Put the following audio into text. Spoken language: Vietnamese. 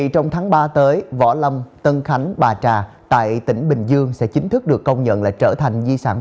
trong tháng ba tới võ lâm tân khánh bà trà tại tỉnh bình dương sẽ chính thức được công nhận